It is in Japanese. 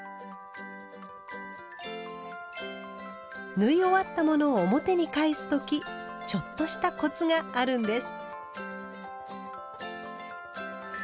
縫い終わったものを表に返す時ちょっとしたコツがあるんです。